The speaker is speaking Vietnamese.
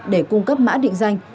để cung cấp mã định danh